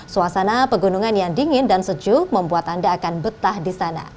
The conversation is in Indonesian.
suasana pegunungan yang dingin dan sejuk membuat anda akan betah di sana